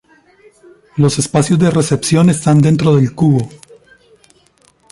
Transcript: Los espacios de recepción están dentro del cubo.